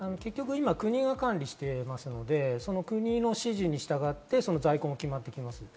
今、国が管理していますので、国の指示に従って在庫が決まってきます。